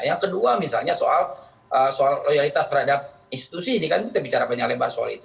yang kedua misalnya soal loyalitas terhadap institusi ini kan kita bicara banyak lebar soal itu